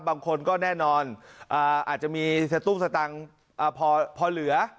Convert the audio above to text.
บางคนก็แน่นอนอ่าอาจจะมีศตุกษตังษ์อ่าพอพอเหลือ